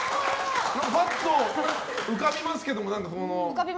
パッと浮かびますけど。